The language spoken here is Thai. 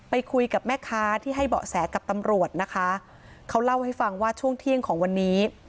ไปคุยกับแม่ค้าที่ให้เบาะแสกับตำรวจนะคะเขาเล่าให้ฟังว่าช่วงเที่ยงของวันนี้